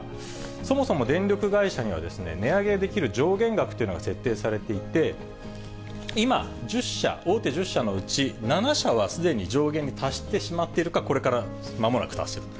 そもそも電力会社には値上げできる上限額というのが設定されていて、今１０社、大手１０社のうち、７社はすでに上限に達してしまっているか、これからまもなく達する。